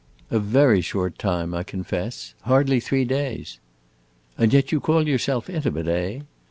"A very short time, I confess. Hardly three days." "And yet you call yourself intimate, eh?